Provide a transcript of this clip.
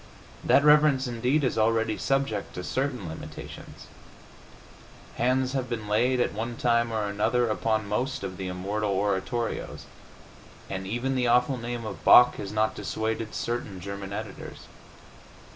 That reverence, indeed, is already subject to certain limitations; hands have been laid, at one time or another, upon most of the immortal oratorios, and even the awful name of Bach has not dissuaded certain German editors.